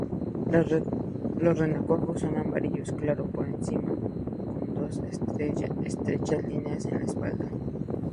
Los renacuajos son amarillo claro por encima, con dos estrechas líneas en la espalda.